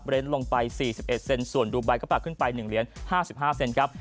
เวเลนส์ลงไป๔๑เซนต์ส่วนดูไบล์ก็ปรับขึ้นไป๑เหรียญ๕๕เซนต์ครับ